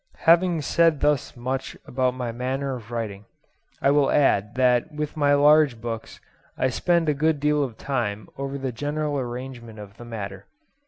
Having said thus much about my manner of writing, I will add that with my large books I spend a good deal of time over the general arrangement of the matter.